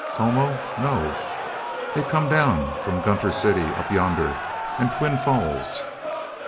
"Tomo? No. They come down from Gunter City, up yonder, and Twin Falls."